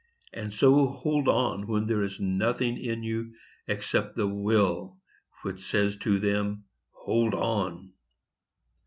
And so hold on when there is nothing in you Except the Will which says to them: 'Hold on!'